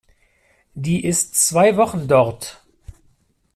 Die ist zwei Wochen dort.